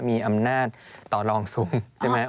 มีอำนาจต่อรองทรุม